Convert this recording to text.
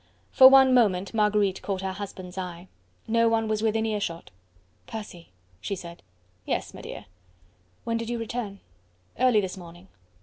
For one moment Marguerite caught her husband's eye. No one was within earshot. "Percy," she said. "Yes, m'dear." "When did you return?" "Early this morning."